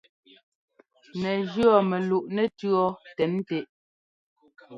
Nɛ jʉɔ́ mɛluꞋ nɛtʉ̈ɔ́ tɛn tɛ.